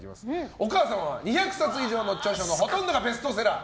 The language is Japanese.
お母様は２００冊以上の著書のほとんどがベストセラー。